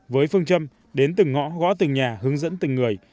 với phương châm đến từng ngõ gõ từng nhà hướng dẫn từng người